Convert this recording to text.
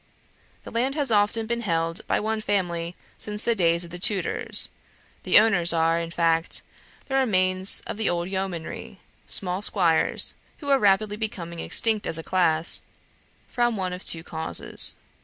The land has often been held by one family since the days of the Tudors; the owners are, in fact, the remains of the old yeomanry small squires who are rapidly becoming extinct as a class, from one of two causes.